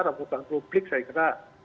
reputasi publik saya kira